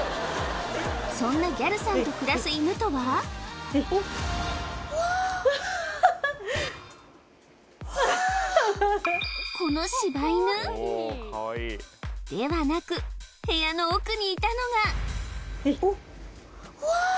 そんなギャルさんと暮らす犬とはわあわあこの柴犬？ではなく部屋の奥にいたのがわあ